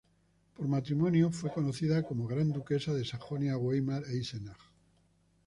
Por matrimonio, fue conocida como Gran Duquesa de Sajonia-Weimar-Eisenach.